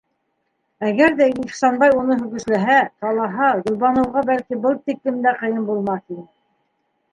Әгәр ҙә Ихсанбай уны көсләһә, талаһа, Гөлбаныуға, бәлки, был тиклем дә ҡыйын булмаҫ ине.